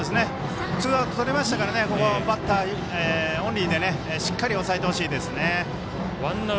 ツーアウトとりましたからバッターオンリーでしっかり抑えてほしいですね。